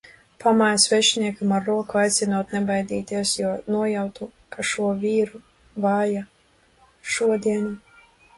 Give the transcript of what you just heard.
Pamāju svešiniekam ar roku, aicinot nebaidīties, jo nojautu, ka šo vīru vajā šodiena.